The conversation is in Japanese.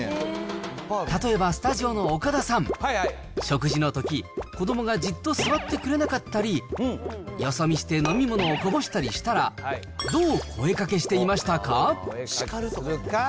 例えばスタジオの岡田さん、食事のとき、子どもがじっと座ってくれなかったり、よそ見して飲み物をこぼしたりしたら、どう声かけしていましたか？